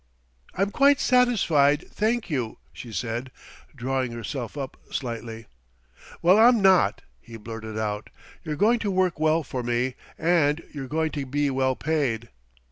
"I'm quite satisfied, thank you," she said, drawing herself up slightly. "Well, I'm not," he blurted out. "You're going to work well for me, and you're going to be well paid."